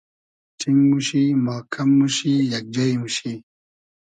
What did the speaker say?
ݖینگ موشی, ماکئم موشی, یئگ جݷ موشی